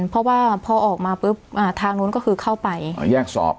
เพราะว่าพอออกมาปุ๊บอ่าทางนู้นก็คือเข้าไปอ๋อแยกสอบ